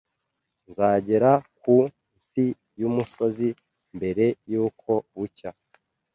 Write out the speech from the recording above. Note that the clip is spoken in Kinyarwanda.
Nzagera ku nsi y'umusozi mbere yuko bucya